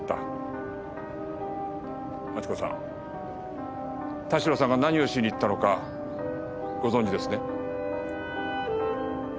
万智子さん田代さんが何をしに行ったのかご存じですね？